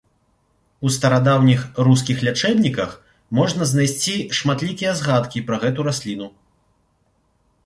У старадаўніх рускіх лячэбніках можна знайсці шматлікія згадкі пра гэту расліну.